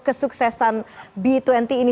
kesuksesan b dua puluh ini